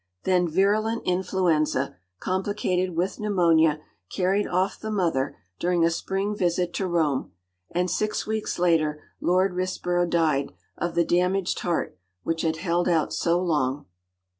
Then virulent influenza, complicated with pneumonia, carried off the mother during a spring visit to Rome, and six weeks later Lord Risborough died of the damaged heart which had held out so long.